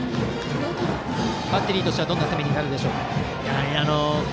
バッテリーとしてはどんな攻めになりますか。